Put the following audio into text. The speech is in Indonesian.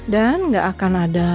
dan gak akan ada lagi